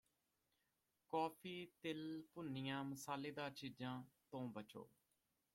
coffee ਤਲੀ ਭੁੰਨੀਆਂ ਮਸਾਲੇਦਾਰ ਚੀਜ਼ਾਂ ਤੋਂ ਬਚੋ